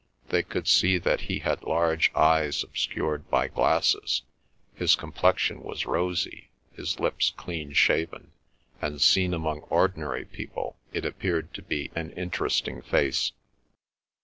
They could see that he had large eyes obscured by glasses; his complexion was rosy, his lips clean shaven; and, seen among ordinary people, it appeared to be an interesting face.